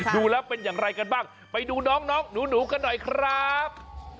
ดูแล้วเป็นอย่างไรกันบ้างไปดูน้องหนูกันหน่อยครับ